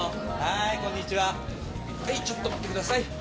はいちょっと待ってください。